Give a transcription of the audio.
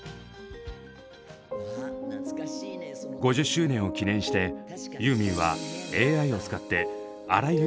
５０周年を記念してユーミンはＡＩを使って荒井由実の声を再現。